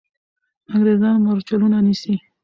انګریزان مرچلونه نیسي.